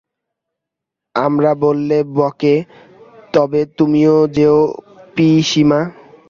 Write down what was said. আমরা বললে বকে, তবে তুমিও যেয়ো পিসিমা।